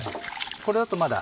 これだとまだ。